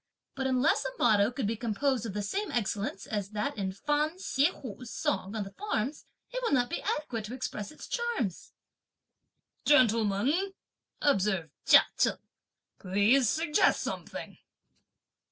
But unless a motto could be composed of the same excellence as that in Fan Shih hu's song on farms, it will not be adequate to express its charms!" "Gentlemen," observed Chia Cheng, "please suggest something."